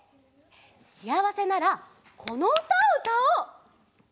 しあわせならこのうたをうたおう。